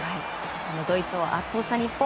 ドイツを圧倒した日本。